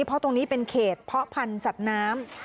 เพราะตรงนี้เป็นเขตเพาะพันธุ์สัตว์น้ำ